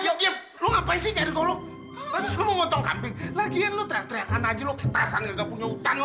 ah iya iya lu ngapain sih nyari golok lu mau montong kambing lagian lu teriak teriakan aja lu kita sana gak punya hutan lu